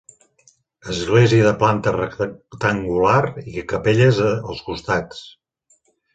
Església de planta rectangular i capelles als costats.